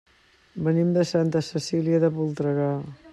Venim de Santa Cecília de Voltregà.